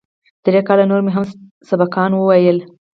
درې کاله نور مې هم سبقان وويل.